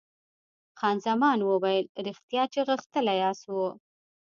خان زمان وویل، ریښتیا چې غښتلی اس وو.